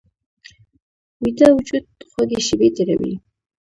ویده وجود خوږې شیبې تېروي